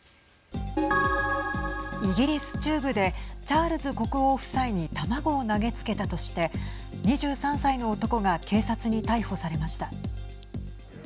イギリス中部でチャールズ国王夫妻に卵を投げつけたとして２３歳の男が警察に逮捕されました。